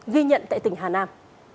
ghi nhận tại tỉnh hà nam